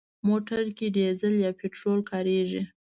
موټر کې ډيزل یا پټرول کارېږي.